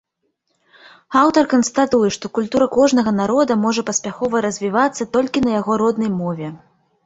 Аўтар канстатуе, што культура кожнага народа можа паспяхова развівацца толькі на яго роднай мове.